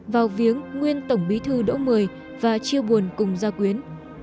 vào viếng nguyên tổng bí thư đỗ một mươi và chia buồn cùng ra quyến